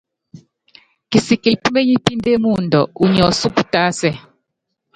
Kisikili peményipíndé muundɔ, unyi ɔsúku tásɛ.